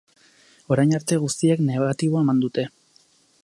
Orain arte guztiek negatibo eman dute.